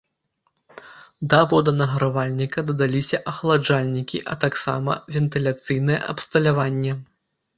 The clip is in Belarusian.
Да воданагравальніка дадаліся ахаладжальнікі, а таксама вентыляцыйнае абсталяванне.